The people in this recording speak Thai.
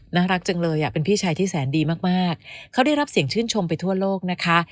น่ารักจังเลยอ่ะเป็นพี่ชายที่แสนดีมากเขาได้รับเสียงชื่นชมไปทั่วโลกนะคะ